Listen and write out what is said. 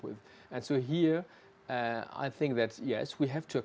dan di sini saya pikir ya kita harus menggabungkan